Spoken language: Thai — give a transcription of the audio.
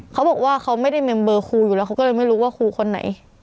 เขาบอกว่าเขาไม่ได้เมมเบอร์ครูอยู่แล้วเขาก็เลยไม่รู้ว่าครูคนไหน